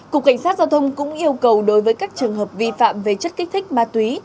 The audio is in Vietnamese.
cục cảnh sát giao thông cũng yêu cầu đối với các trường hợp vi phạm về chất kích thích ma túy